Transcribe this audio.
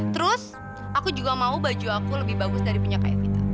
terus aku juga mau baju aku lebih bagus dari punya kayak vita